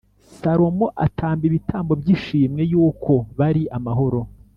Salomo atamba ibitambo by’ishimwe yuko bari amahoro